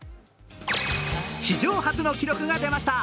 史上初の記録が出ました。